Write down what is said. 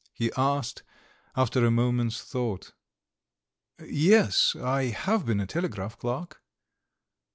he asked, after a moment's thought. "Yes, I have been a telegraph clerk."